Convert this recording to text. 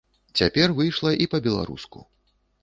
Цяпер выйшла і па-беларуску.